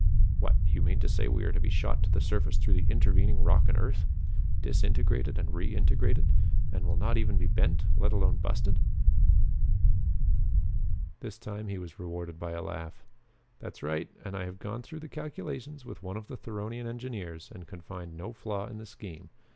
"What? You mean to say we are to be shot to the surface through the intervening rock and earth? Disintegrated and reintegrated? And we'll not even be bent, let alone busted?" This time he was rewarded by a laugh. "That's right. And I have gone through the calculations with one of the Theronian engineers and can find no flaw in the scheme.